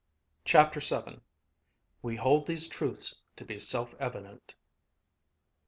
CHAPTER VII "WE HOLD THESE TRUTHS TO BE SELF EVIDENT ..."